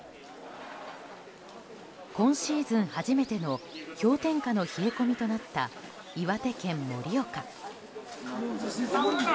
今シーズン初めての氷点下の冷え込みとなった岩手県盛岡。